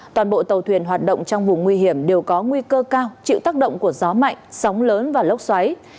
toàn bộ tàu thuyền hoạt động trong vùng nguy hiểm đều có nguy cơ cao chịu tác động của gió mạnh sóng lớn và lốc xoáy